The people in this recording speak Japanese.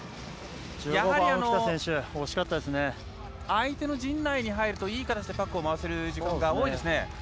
やはり、相手の陣内に入るといい形でパックを回せる時間が多いですね。